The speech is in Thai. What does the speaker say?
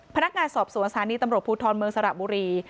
พนักงานสอบสวนสถานีตำรวจภูทรเมืองสระบุรี